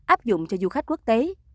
áp dụng cho du khách quốc tế